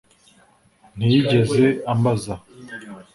Ntiyigeze ambaza